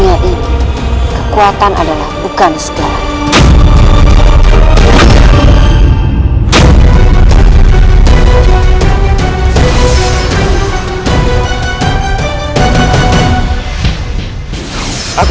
aku benar macam yang masuk